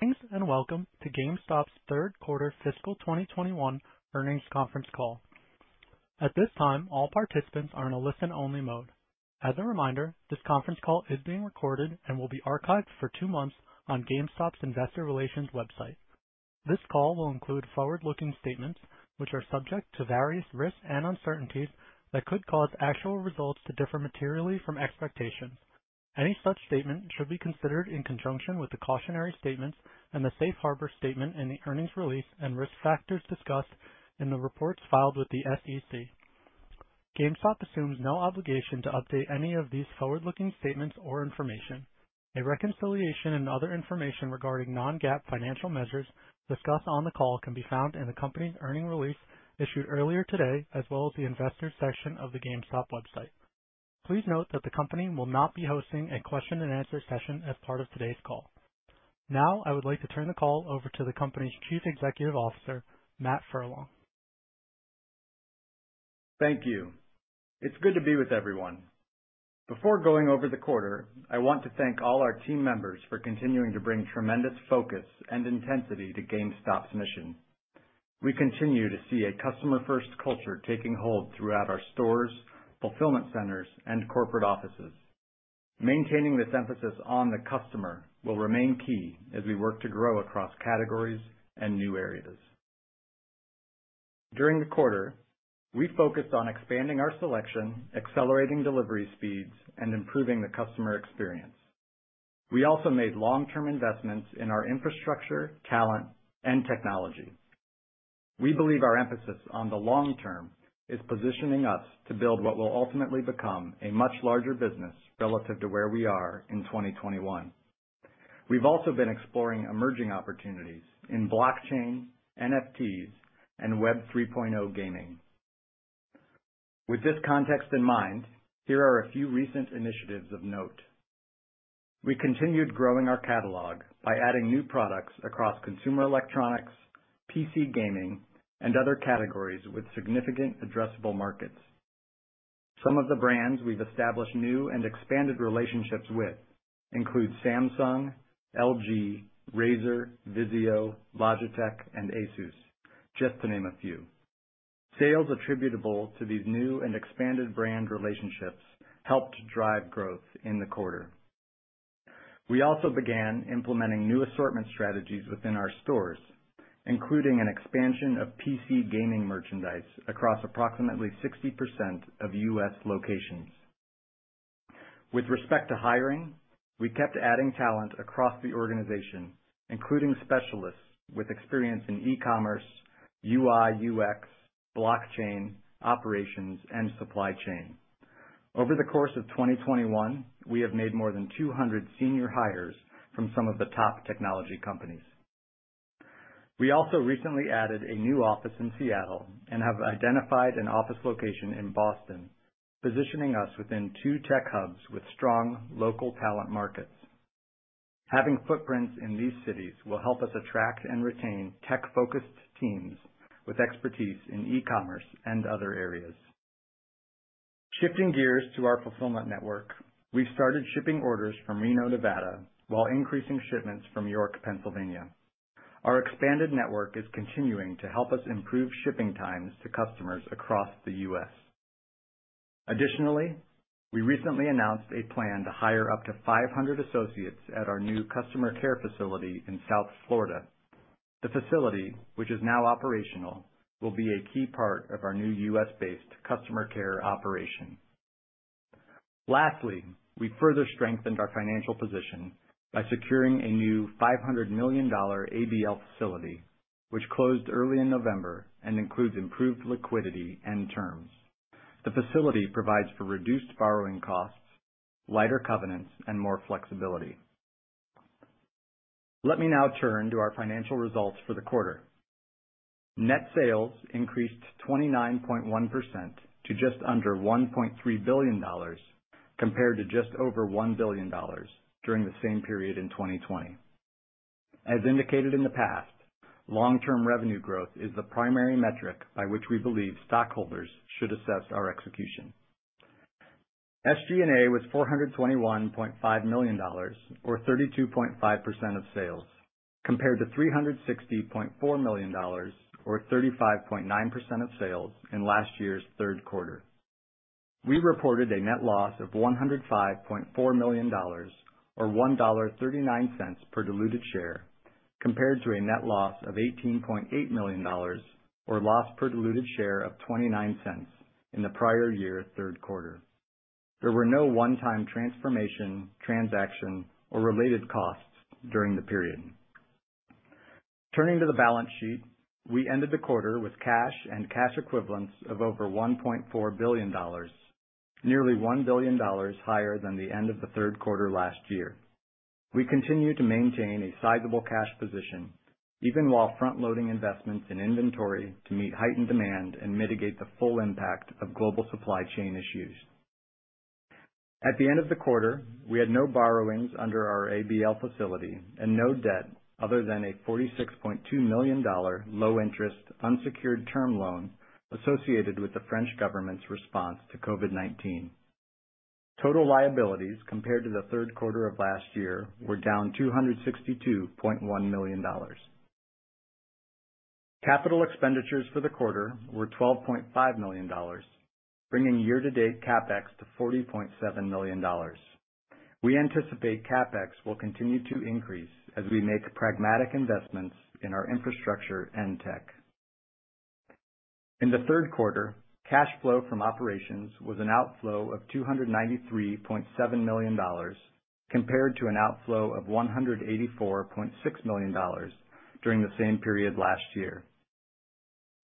Thanks, and welcome to GameStop's Third Quarter Fiscal 2021 Earnings Conference Call. At this time, all participants are in a listen only mode. As a reminder, this conference call is being recorded and will be archived for two months on GameStop's Investor Relations website. This call will include forward-looking statements, which are subject to various risks and uncertainties that could cause actual results to differ materially from expectations. Any such statement should be considered in conjunction with the cautionary statements and the Safe Harbor statement in the earnings release and risk factors discussed in the reports filed with the SEC. GameStop assumes no obligation to update any of these forward-looking statements or information. A reconciliation and other information regarding non-GAAP financial measures discussed on the call can be found in the company's earnings release issued earlier today, as well as the Investors section of the GameStop website. Please note that the company will not be hosting a question and answer session as part of today's call. Now, I would like to turn the call over to the company's Chief Executive Officer, Matt Furlong. Thank you. It's good to be with everyone. Before going over the quarter, I want to thank all our team members for continuing to bring tremendous focus and intensity to GameStop's mission. We continue to see a customer-first culture taking hold throughout our stores, fulfillment centers, and corporate offices. Maintaining this emphasis on the customer will remain key as we work to grow across categories and new areas. During the quarter, we focused on expanding our selection, accelerating delivery speeds, and improving the customer experience. We also made long-term investments in our infrastructure, talent, and technology. We believe our emphasis on the long term is positioning us to build what will ultimately become a much larger business relative to where we are in 2021. We've also been exploring emerging opportunities in blockchain, NFTs, and Web 3.0 gaming. With this context in mind, here are a few recent initiatives of note. We continued growing our catalog by adding new products across consumer electronics, PC gaming, and other categories with significant addressable markets. Some of the brands we've established new and expanded relationships with include Samsung, LG, Razer, VIZIO, Logitech, and ASUS, just to name a few. Sales attributable to these new and expanded brand relationships helped drive growth in the quarter. We also began implementing new assortment strategies within our stores, including an expansion of PC gaming merchandise across approximately 60% of U.S. locations. With respect to hiring, we kept adding talent across the organization, including specialists with experience in e-commerce, UI/UX, blockchain, operations, and supply chain. Over the course of 2021, we have made more than 200 senior hires from some of the top technology companies. We also recently added a new office in Seattle and have identified an office location in Boston, positioning us within two tech hubs with strong local talent markets. Having footprints in these cities will help us attract and retain tech-focused teams with expertise in e-commerce and other areas. Shifting gears to our fulfillment network, we've started shipping orders from Reno, Nevada, while increasing shipments from York, Pennsylvania. Our expanded network is continuing to help us improve shipping times to customers across the U.S. Additionally, we recently announced a plan to hire up to 500 associates at our new customer care facility in South Florida. The facility, which is now operational, will be a key part of our new U.S.-based customer care operation. Lastly, we further strengthened our financial position by securing a new $500 million ABL facility, which closed early in November and includes improved liquidity and terms. The facility provides for reduced borrowing costs, lighter covenants, and more flexibility. Let me now turn to our financial results for the quarter. Net sales increased 29.1% to just under $1.3 billion, compared to just over $1 billion during the same period in 2020. As indicated in the past, long-term revenue growth is the primary metric by which we believe stockholders should assess our execution. SG&A was $421.5 million or 32.5% of sales, compared to $360.4 million or 35.9% of sales in last year's third quarter. We reported a net loss of $105.4 million or $1.39 per diluted share, compared to a net loss of $18.8 million or a loss per diluted share of $0.29 in the prior year's third quarter. There were no one-time transformation, transaction, or related costs during the period. Turning to the balance sheet, we ended the quarter with cash and cash equivalents of over $1.4 billion, nearly $1 billion higher than the end of the third quarter last year. We continue to maintain a sizable cash position even while front-loading investments in inventory to meet heightened demand and mitigate the full impact of global supply chain issues. At the end of the quarter, we had no borrowings under our ABL facility and no debt other than a $46.2 million low interest unsecured term loan associated with the French government's response to COVID-19. Total liabilities compared to the third quarter of last year were down $262.1 million. Capital expenditures for the quarter were $12.5 million, bringing year-to-date CapEx to $40.7 million. We anticipate CapEx will continue to increase as we make pragmatic investments in our infrastructure and tech. In the third quarter, cash flow from operations was an outflow of $293.7 million compared to an outflow of $184.6 million during the same period last year.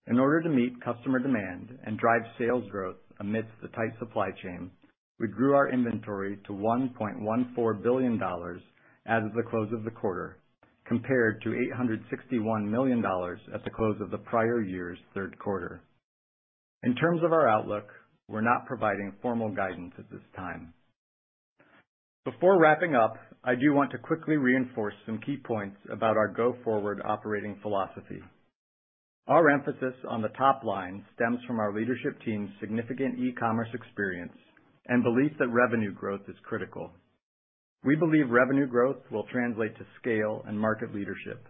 In order to meet customer demand and drive sales growth amidst the tight supply chain, we grew our inventory to $1.14 billion as of the close of the quarter, compared to $861 million at the close of the prior year's third quarter. In terms of our outlook, we're not providing formal guidance at this time. Before wrapping up, I do want to quickly reinforce some key points about our go-forward operating philosophy. Our emphasis on the top line stems from our leadership team's significant e-commerce experience and belief that revenue growth is critical. We believe revenue growth will translate to scale and market leadership.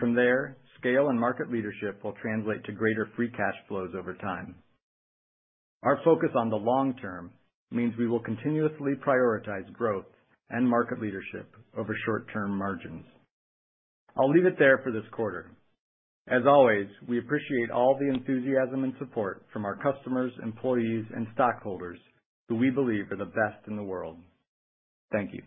From there, scale and market leadership will translate to greater free cash flows over time. Our focus on the long term means we will continuously prioritize growth and market leadership over short-term margins. I'll leave it there for this quarter. As always, we appreciate all the enthusiasm and support from our customers, employees, and stockholders who we believe are the best in the world. Thank you.